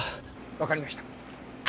わかりました。